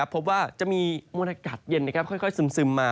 พบว่าจะมีมวลอากาศเย็นค่อยซึมมา